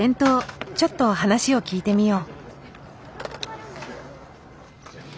ちょっと話を聞いてみよう。